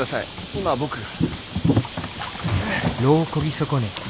今僕が。